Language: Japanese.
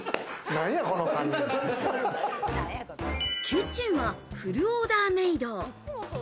キッチンはフルオーダーメイド。